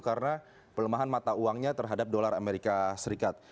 karena pelemahan mata uangnya terhadap dolar amerika serikat